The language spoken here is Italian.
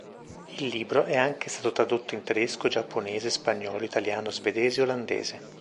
Il libro è anche stato tradotto in tedesco, giapponese, spagnolo, italiano, svedese e olandese.